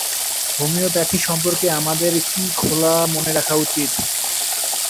Homeopathy সম্পর্কে আমাদের কি খোলা মনে রাখা উচিত?